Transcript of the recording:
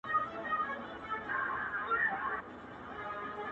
راځه د ژوند په چل دي پوه کړمه زه,